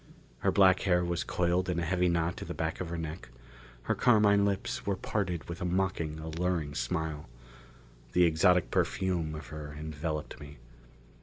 Her black hair was coiled in a heavy knot at the back of her neck; her carmine lips were parted with a mocking, alluring smile. The exotic perfume of her enveloped me.